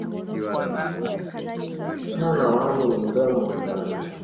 Msichana wangu ni mrembo sana